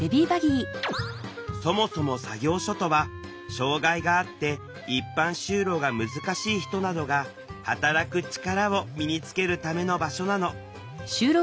そもそも作業所とは障害があって一般就労が難しい人などが働く力を身につけるための場所なの。